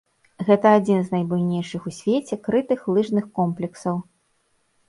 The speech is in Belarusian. Гэта адзін з найбуйнейшых у свеце крытых лыжных комплексаў.